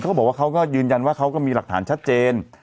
เขาก็ยืนยันว่าเขาก็มีหลักฐานชัดเจน